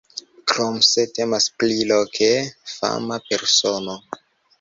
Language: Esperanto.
Krom se temas pri loke fama persono.